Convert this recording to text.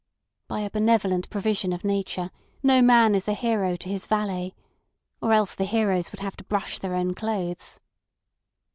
By a benevolent provision of Nature no man is a hero to his valet, or else the heroes would have to brush their own clothes.